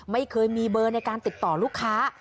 ไม่เคยมีเบอร์ในการติดต่อลูกค้า